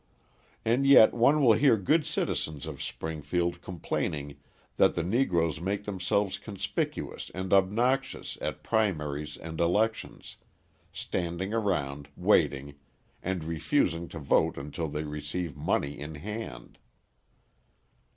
And yet one will hear good citizens of Springfield complaining that the Negroes make themselves conspicuous and obnoxious at primaries and elections, standing around, waiting, and refusing to vote until they receive money in hand.